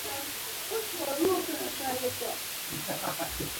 نو سبا به زمونږ اولادونه له سختې وچکالۍ.